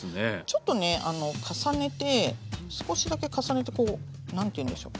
ちょっとね重ねて少しだけ重ねてこう何ていうんでしょ？